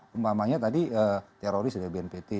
umpamanya tadi teroris dari bnpt